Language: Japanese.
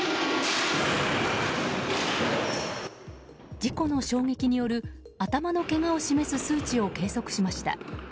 事故の衝撃による頭のけがを示す数値を計測しました。